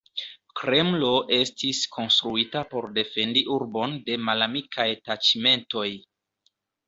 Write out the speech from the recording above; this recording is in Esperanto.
Kremlo estis konstruita por defendi urbon de malamikaj taĉmentoj.